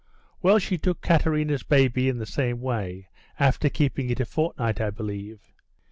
"Well, she took Katerina's baby in the same way, after keeping it a fortnight, I believe.